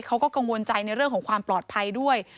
เขาก็กังวลใจในเรื่องของความปลอดภัยด้วย